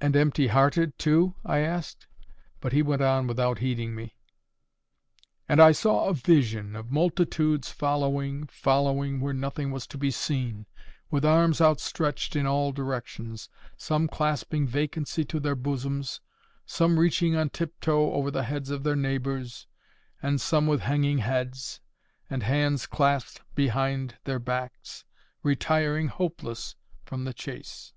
"And empty hearted, too?" I asked; but he went on without heeding me. "And I saw a vision of multitudes following, following where nothing was to be seen, with arms outstretched in all directions, some clasping vacancy to their bosoms, some reaching on tiptoe over the heads of their neighbours, and some with hanging heads, and hands clasped behind their backs, retiring hopeless from the chase."